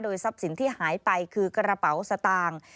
ทรัพย์สินที่หายไปคือกระเป๋าสตางค์